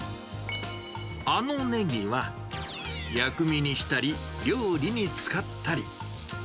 あのネギは薬味にしたり、料理に使ったり。